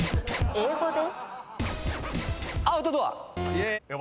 英語で？